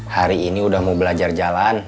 hari ini udah mau belajar jalan